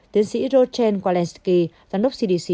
tiến sĩ rodgen kualensky giám đốc cdc